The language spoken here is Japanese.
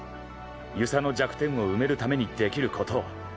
遊佐の弱点を埋めるために出来ることを。